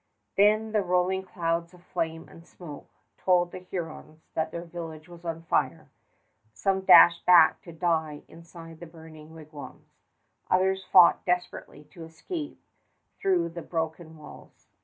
Then the rolling clouds of flame and smoke told the Hurons that their village was on fire. Some dashed back to die inside the burning wigwams. Others fought desperately to escape through the broken walls.